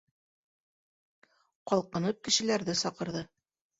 Ҡалҡынып кешеләрҙе саҡырҙы.